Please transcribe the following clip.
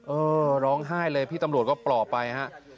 เออร้องไห้เลยพี่ตำรวจก็ปลอบไปฮะ